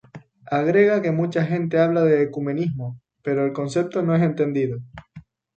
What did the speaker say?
Agrega que mucha gente habla de ecumenismo, pero el concepto no es entendido.